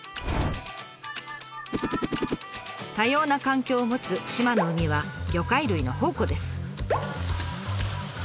多様な環境を持つ志摩の海は魚介類の宝庫です。